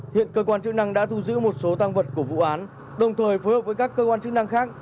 hiện cơ quan chức năng đã thu giữ một số tăng vật của vụ án đồng thời phối hợp với các cơ quan chức năng khác